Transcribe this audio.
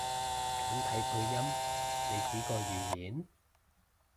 簡體配音？你指個語音？